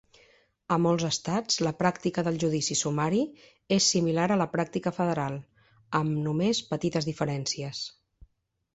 A molts estats la pràctica del judici sumari és similar a la pràctica federal, amb només petites diferències.